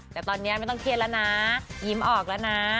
แต่ตอนนี้ไม่ต้องเครียดแล้วนะยิ้มออกแล้วนะ